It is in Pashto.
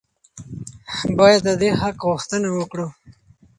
باید د دې حق غوښتنه وکړو.